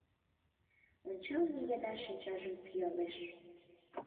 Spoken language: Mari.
Ончалме еда шинчажым пӱялеш.